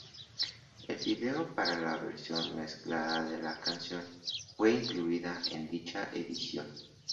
El video para la versión remezclada de la canción fue incluida en dicha edición.